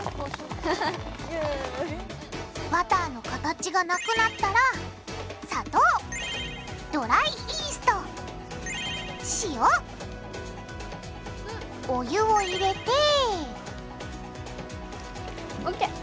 バターの形がなくなったら砂糖ドライイースト塩。お湯を入れてＯＫ！